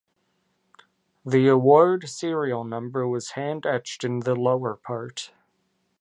The award serial number was hand etched in the lower part.